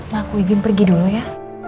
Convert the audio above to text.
aku izin pergi dulu ya